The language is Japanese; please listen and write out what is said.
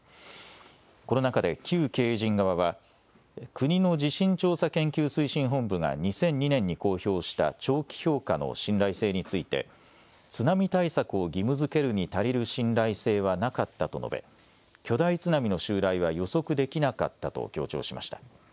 この中で旧経営陣側は国の地震調査研究推進本部が２００２年に公表した長期評価の信頼性について津波対策を義務づけるに足りる信頼性はなかったと述べ巨大津波の襲来は予測できなかったと強調しました。